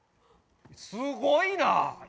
すごいな！